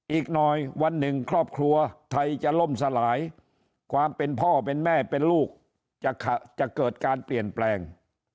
อีกหน่อยวันหนึ่งครอบครัวไทยจะล่มสลายความเป็นพ่อเป็นแม่เป็นลูกจะเกิดการเปลี่ยนแปลง